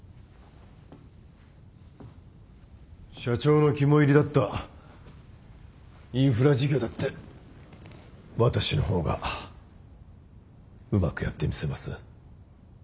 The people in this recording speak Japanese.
社長の肝いりだったインフラ事業だって私の方がうまくやってみせます。